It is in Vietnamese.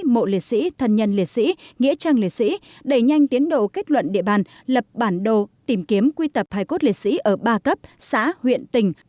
mộ liệt sĩ thần nhân liệt sĩ nghĩa trang liệt sĩ đẩy nhanh tiến độ kết luận địa bàn lập bản đồ tìm kiếm quy tập hài cốt liệt sĩ ở ba cấp xã huyện tỉnh